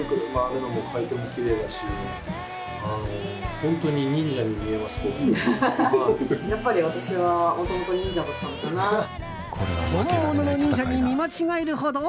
本物の忍者に見間違えるほど？